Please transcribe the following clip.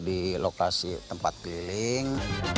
di lokasi tempat keliling